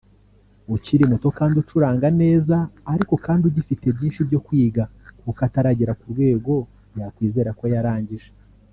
ukiri muto kandi ucuranga neza ariko kandi ugifite byinshi byo kwiga kuko ataragera ku rwego yakwizera ko yarangije